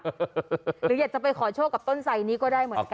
หรืออยากจะไปขอโชคกับต้นไสนี้ก็ได้เหมือนกัน